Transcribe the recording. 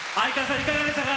いかがでしたか。